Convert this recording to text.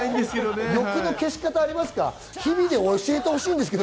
消し方ありますか？